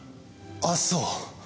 ああそう。